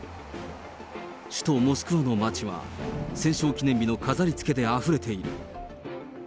首都モスクワの街は、戦勝記念日の飾りつけであふれている。